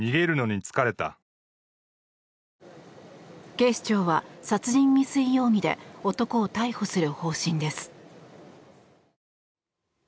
警視庁は殺人未遂容疑で男を逮捕する方針です。